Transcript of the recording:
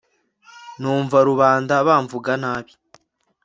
numva rubanda bamvuga nabi